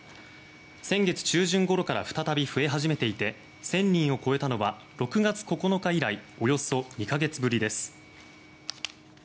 先月中旬ごろから再び増え始めていて１０００人を超えたのは６月９日以来およそ２か月ぶりです。